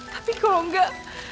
tapi kalau enggak